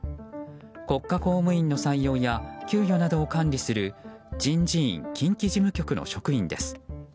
国家公務員の採用や給与などを管理する人事院近畿事務局の職員です。